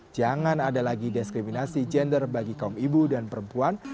jangan ada lagi diskriminasi gender bagi kaum ibu dan perempuan